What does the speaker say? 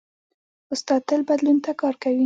استاد تل بدلون ته کار کوي.